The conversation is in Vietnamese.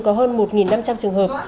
có hơn một năm trăm linh trường hợp